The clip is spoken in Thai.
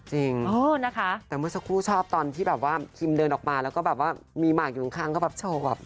จริงนะคะแต่เมื่อสักครู่ชอบตอนที่แบบว่าคิมเดินออกมาแล้วก็แบบว่ามีหมากอยู่ข้างก็แบบโชว์แบบ